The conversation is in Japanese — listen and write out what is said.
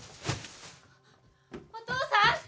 お父さん？